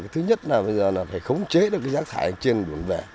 thứ nhất là bây giờ phải khống chế được rác thải trên vườn vẻ